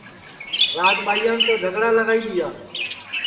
راج ٻائیان تو جھگڑا لگائی دِؔیا